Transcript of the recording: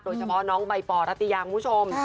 โดยเฉพาะบัยปอร์รัตริยะคุณผู้ชม